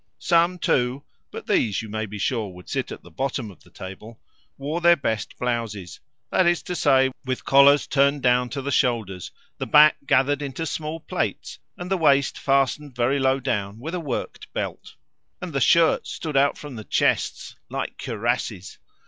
Some, too (but these, you may be sure, would sit at the bottom of the table), wore their best blouses that is to say, with collars turned down to the shoulders, the back gathered into small plaits and the waist fastened very low down with a worked belt. And the shirts stood out from the chests like cuirasses!